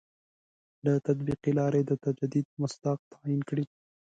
له تطبیقي لاري د تجدید مصداق تعین کړي.